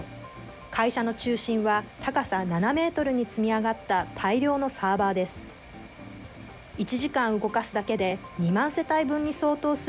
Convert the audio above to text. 会社の中心は高さ７メートルに積み上がった大量のサーバーです。